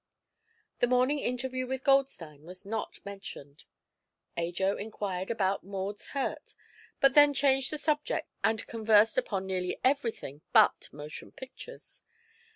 The morning interview with Goldstein was not mentioned. Ajo inquired about Maud's hurt but then changed the subject and conversed upon nearly everything but motion pictures.